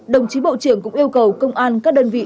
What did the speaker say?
đồng chí bộ trưởng cũng yêu cầu công an các đơn vị